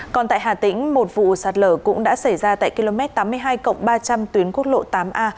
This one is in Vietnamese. còn tại hà tĩnh một vụ sạt lở cũng đã xảy ra tại km tám mươi hai ba trăm linh tuyến quốc lộ tám a